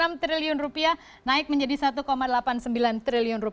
rp enam triliun naik menjadi rp satu delapan puluh sembilan triliun